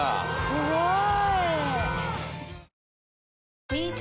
すごい。